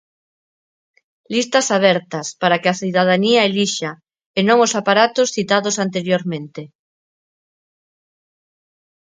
Listas abertas, para que a cidadanía elixa, e non os aparatos citados anteriormente.